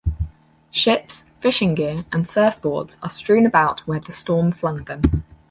Ships, fishing gear and surfboards are strewn about where the storm flung them.